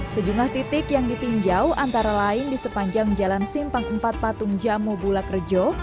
sejumlah titik yang ditinjau antara lain di sepanjang jalan simpang empat patung jamu bulak rejo